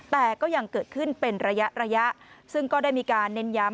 แต่ก็ยังเกิดขึ้นเป็นระยะระยะซึ่งก็ได้มีการเน้นย้ำ